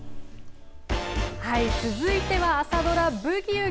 続いては朝ドラ、ブギウギ。